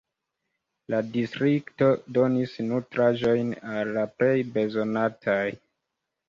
La distrikto donis nutraĵojn al la plej bezonataj.